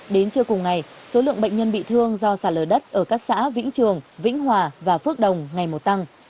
đến trưa cùng ngày số lượng bệnh nhân bị thương do sạt lở đất ở các xã vĩnh trường vĩnh hòa và phước đồng ngày một tăng